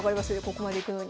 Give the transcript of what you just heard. ここまでいくのに。